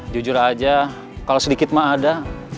jujur aja kalau sedikit mah ada